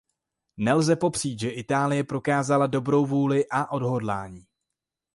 Nelze popřít, že Itálie prokázala dobrou vůli a odhodlání.